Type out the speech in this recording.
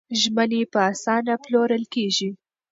ژمنې په اسانه پلورل کېږي.